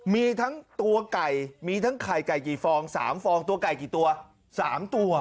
มีทั้งตัวไก่มีทั้งไข่ไก่กี่ฟอง๓ฟองตัวไก่กี่ตัว๓ตัว